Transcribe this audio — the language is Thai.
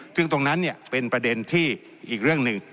ซึ่งตรงนั้นเป็นประเด็นที่อีกเรื่องหนึ่ง